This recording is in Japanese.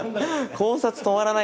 考察止まらないですね。